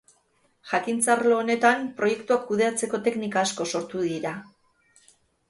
Jakintza-arlo honetan proiektuak kudeatzeko teknika asko sortu dira.